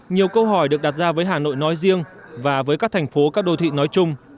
nhiều câu hỏi được đặt ra với hà nội nói riêng và với các thành phố các đô thị nói chung